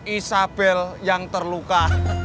isabel yang terluka